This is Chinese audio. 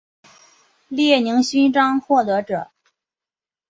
列宁勋章获得者。